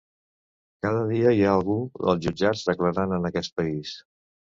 Cada dia hi ha algú als jutjats declarant en aquest país.